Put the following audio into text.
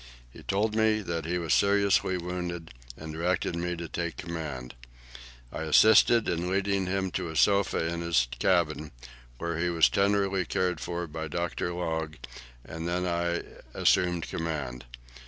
He told me that he was seriously wounded, and directed me to take command. I assisted in leading him to a sofa in his cabin, where he was tenderly cared for by Dr. Logue, and then I assumed command.